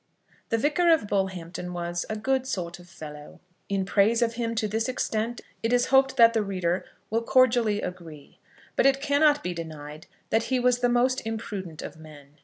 The Vicar of Bullhampton was a "good sort of fellow." In praise of him to this extent it is hoped that the reader will cordially agree. But it cannot be denied that he was the most imprudent of men.